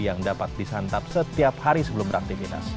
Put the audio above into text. yang dapat disantap setiap hari sebelum beraktivitas